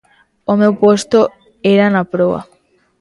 O meu posto era na proa.